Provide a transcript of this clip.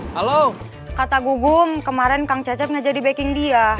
kalo kata kang mus kang cecep ngejadi backing dia